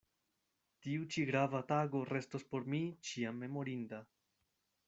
Tiu ĉi grava tago restos por mi ĉiam memorinda.